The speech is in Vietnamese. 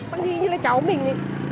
bà nghĩ như là cháu mình